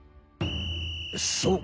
そう！